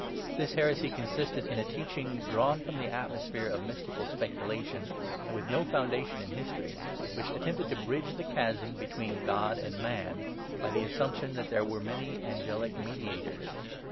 This heresy consisted in a teaching, ' drawn from the atmosphere of mystical speculation,' and ' with no foundation in history,' which attempted to bridge the chasm between God and Man by the assumption that there were many angelic mediators.